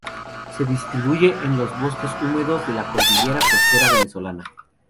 Se distribuye en los bosques húmedos de la cordillera costera venezolana.